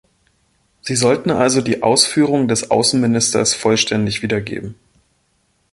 Sie sollten also die Ausführungen des Außenministers vollständig wiedergeben.